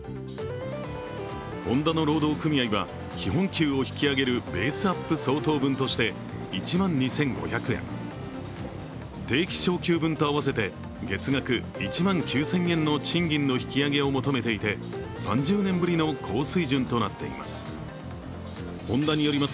ホンダの労働組合は基本給を引き上げるベースアップ相当分として１万２５００円、定期昇給分と合わせて月額１万９０００円の賃金の引き上げを求めていて３０年ぶりの高水準となっています。